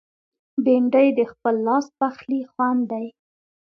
بېنډۍ د خپل لاس پخلي خوند دی